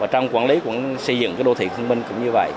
trong quản lý xây dựng đô thị thông minh cũng như vậy